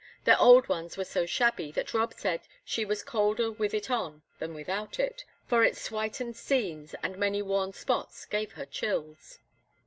Their old ones were so shabby that Rob said she "was colder with it on than without it, for its whitened seams and many worn spots gave her chills."